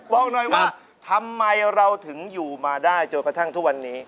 บอกหน่อยว่าทำไมเราถึงอยู่มาได้จนกระทั่งทุกวันนี้